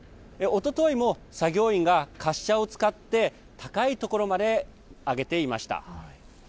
おとといも作業員が滑車を使って高いところまで上げていました。